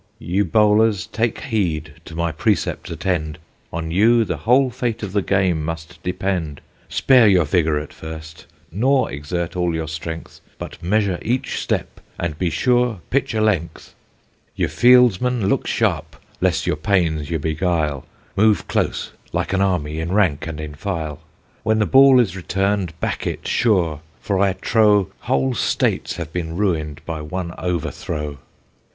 Ye bowlers, take heed, to my precepts attend, On you the whole fate of the game must depend; Spare your vigour at first, nor exert all your strength, But measure each step, and be sure pitch a length. Ye fieldsmen, look sharp, lest your pains ye beguile; Move close, like an army, in rank and in file, When the ball is return'd, back it sure, for I trow Whole states have been ruin'd by one overthrow.